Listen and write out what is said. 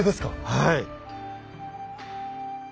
はい。